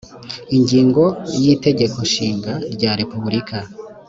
ingingo ya y itegeko nshinga rya repubulika